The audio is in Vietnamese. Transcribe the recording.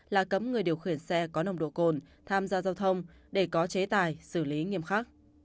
là cấm người điều khiển xe có nồng độ cồn tham gia giao thông để có chế tài xử lý nghiêm khắc